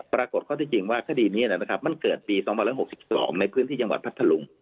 ปรากฏข้อที่จริงว่าคดีนี้มันเกิดปี๒๐๖๒ในพื้นที่จังหวัดพัทธลุง